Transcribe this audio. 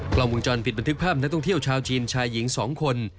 กล้องวงจรปิดบันทึกภาพนักท่องเที่ยวชาวจีนชายหญิง๒คน